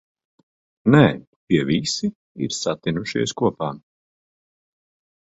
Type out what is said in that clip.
Nē, tie visi ir satinušies kopā.